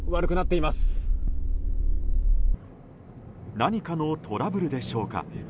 何かのトラブルでしょうか。